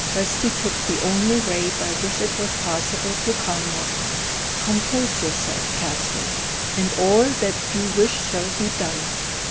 Presty took the only way by which it was possible to calm her. "Compose yourself, Catherine, and all that you wish shall be done.